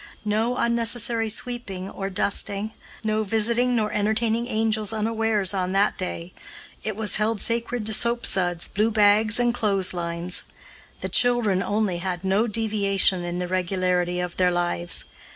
No unnecessary sweeping or dusting, no visiting nor entertaining angels unawares on that day it was held sacred to soap suds, blue bags, and clotheslines. The children, only, had no deviation in the regularity of their lives.